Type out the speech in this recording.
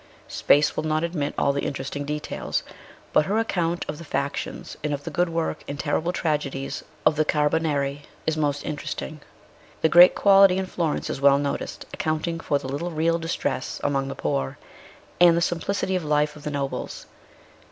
Space will not admit all the interesting details, but her account of the factions and of the good work and ITALY REVISITED. 229 terrible tragedies of the Carbonari is most interesting. The great equality in Florence is well noticed, accounting for the little real distress among the poor, and the simplicity of life of the nobles.